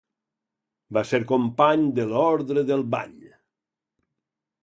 Va ser company de l'Orde del Bany.